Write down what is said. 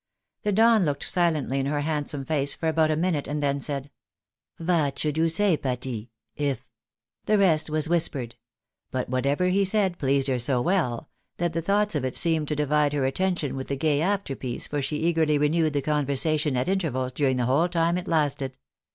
The Don looked silently in her handsome face for about a minute, and then said —" Vat should you say, Pati, if —" the rest was whispered. But whatever he said pleased her so well, that the thoughts of it seemed to divide her attention with the gay afterpiece, for she eagerly renewed the conversation at intervals during the whole time it lasted.